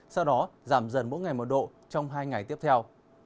sau đó giảm dần mỗi ngày một độ trong hai ngày tiếp theo